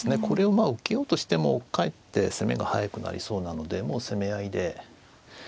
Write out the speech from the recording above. これを受けようとしてもかえって攻めが速くなりそうなのでもう攻め合いで。